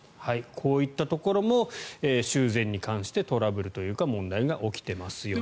こういったところも修繕に関してトラブルというか問題が起きていますよと。